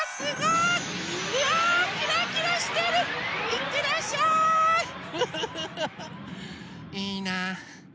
いいな。